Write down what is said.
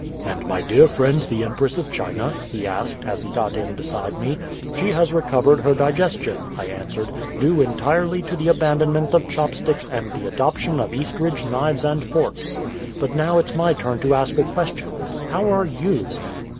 "And my dear friend the Empress of China?" he asked, as he got in beside me. "She has recovered her digestion," I answered, "due entirely to the abandonment of chop sticks and the adoption of Eastridge knives and forks. But now it's my turn to ask a question. How are YOU?"